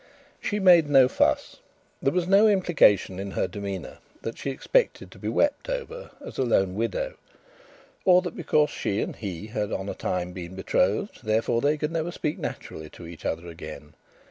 She made no fuss. There was no implication in her demeanour that she expected to be wept over as a lone widow, or that because she and he had on a time been betrothed, therefore they could never speak naturally to each other again.